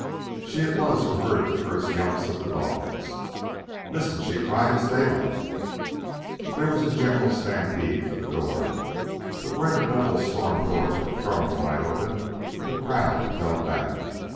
She it was who heard the first yelps of the dogs. "Listen!" she cried. "It's Daylight!" There was a general stampede for the door; but where the double storm doors were thrown wide open, the crowd fell back.